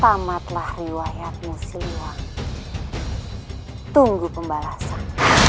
tamatlah riwayat musim tunggu pembalasan